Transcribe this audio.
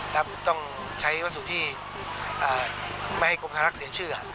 แล้วต้องใช้วัสดุที่ไม่ให้กรมภารักษ์เสียชื่อ